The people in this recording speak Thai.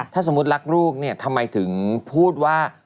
ถ้าสมมุติรักลูกเนี่ยทำไมถึงพูดว่า